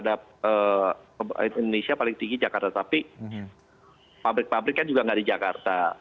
dan sektor sektor lain kan tidak terkonsentrasi di jakarta walaupun kontribusi terhadap indonesia paling tinggi jakarta